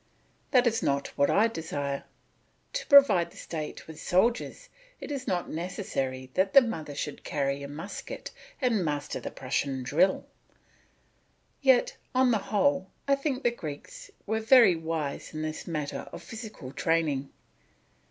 That is not what I desire. To provide the state with soldiers it is not necessary that the mother should carry a musket and master the Prussian drill. Yet, on the whole, I think the Greeks were very wise in this matter of physical training.